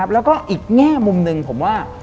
แล้วก็อีกแง่มุมหนึ่งผมว่า